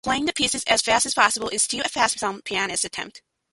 Playing the piece as fast as possible is still a feat some pianists attempt.